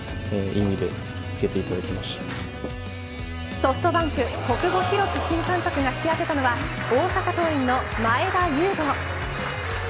ソフトバンク小久保裕紀新監督が引き当てたのは大阪桐蔭の前田悠伍。